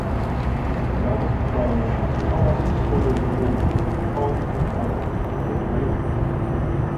His eldest brother was Thomas Sturge Moore, a poet, writer and engraver.